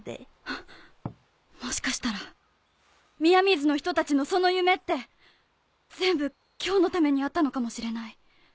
ハッもしかしたら宮水の人たちのその夢って全部今日のためにあったのかもしれない。